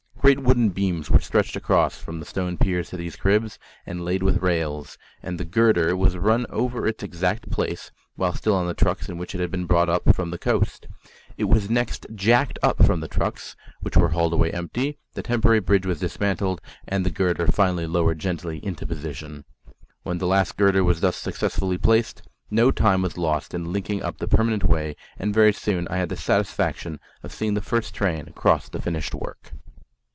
Great wooden beams were stretched across from the stone piers to these cribs, and laid with rails; and the girder was run over its exact place, while still on the trucks in which it had been brought up from the coast. It was next "jacked" up from the trucks, which were hauled away empty, the temporary bridge was dismantled, and the girder finally lowered gently into position. When the last girder was thus successfully placed, no time was lost in linking up the permanent way, and very soon I had the satisfaction of seeing the first train cross the finished work.